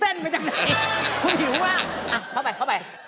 เข้าไปข้อไป